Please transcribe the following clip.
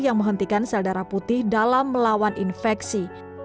yang menghentikan sel darah putih dalam melawan infeksi